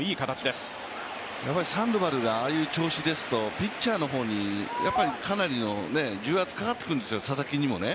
サンドバルがああいう調子ですとピッチャーの方にかなりの重圧かかってくるんですよ、佐々木にもね。